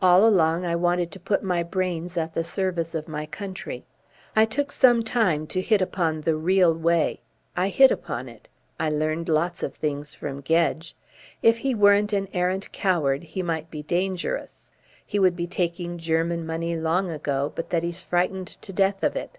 All along I wanted to put my brains at the service of my country. I took some time to hit upon the real way. I hit upon it. I learned lots of things from Gedge. If he weren't an arrant coward, he might be dangerous. He would be taking German money long ago, but that he's frightened to death of it."